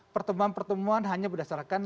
pertemuan pertemuan hanya berdasarkan